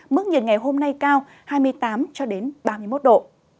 mức nhiệt ngày hôm nay cao hai mươi tám ba mươi một độ